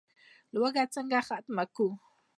لوږه څنګه ختمه کړو؟